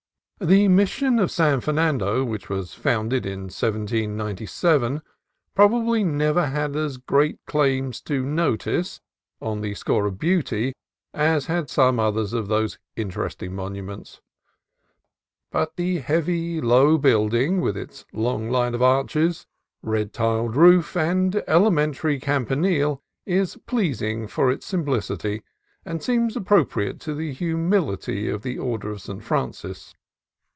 The Mission of San Fernando, which was founded in 1797, probably never had as great claims to no tice, on the score of beauty, as had some others of these interesting monuments; but the heavy low building, with its long line of arches, red tiled roof, and elementary campanile, is pleasing for its sim plicity, and seems appropriate to the humility of the order of St. Francis.